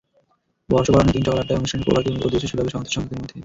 বর্ষবরণের দিন সকাল আটটায় অনুষ্ঠানের প্রভাতী অধিবেশ শুরু হবে সমবেত সংগীতের মধ্য দিয়ে।